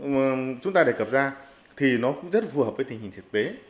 các lực lượng chúng ta đề cập ra thì nó cũng rất phù hợp với tình hình thực tế